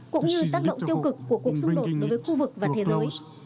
cũng như tác động tiêu cực của cuộc xung đột đối với khu vực và thế giới